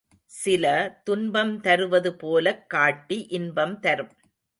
சில துன்பம் தருவது போலக் காட்டி இன்பம் தரும்.